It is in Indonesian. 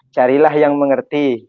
carilah yang mengerti